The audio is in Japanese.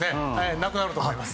なくなると思います。